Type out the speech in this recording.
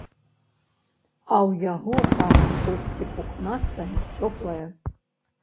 А ў яго там штосьці пухнастае, цёплае.